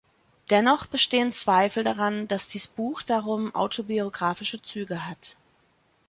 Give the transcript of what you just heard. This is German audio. Dennoch bestehen Zweifel daran, dass dies Buch darum autobiografische Züge hat.